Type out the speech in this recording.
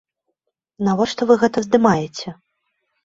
Навошта вы гэта здымаеце?